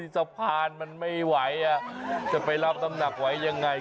สะพานมันไม่ไหวนะจะไปรับตำนักไว้อย่างไร